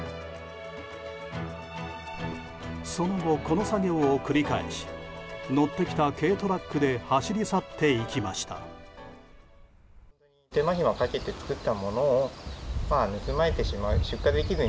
その後、この作業を繰り返し乗ってきた軽トラックで走り去っていきました。